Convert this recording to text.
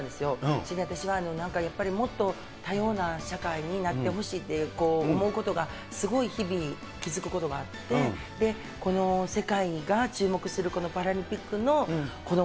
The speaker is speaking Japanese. それで私はなんかやっぱりもっと、多様な社会になってほしいと思うことがすごい日々、気付くことがあって、この世界が注目するこのパラリンピックのオ